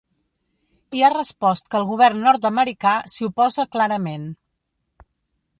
I ha respost que el govern nord-americà s’hi oposa clarament.